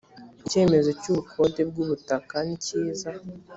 icyemezo cy ubukode bw ubutaka nikiza